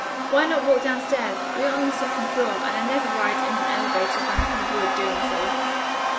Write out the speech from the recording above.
"Why not walk down stairs? We are on the second floor, and I never ride in an elevator when I can avoid doing so."